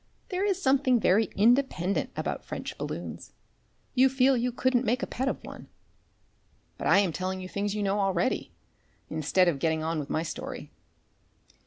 There is something very independent about French balloons you feel you couldn't make a pet of one. But I am telling you things you know already, instead of getting on with my story.